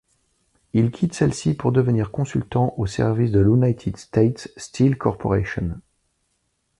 Il quitte celle-ci pour devenir consultant au service de l'United States Steel Corporation.